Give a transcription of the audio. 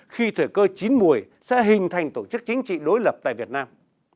khi thời cơ chín mùi sẽ hình thành tổ chức chính trị đối lập tại việt nam